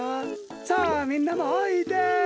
さあみんなもおいで！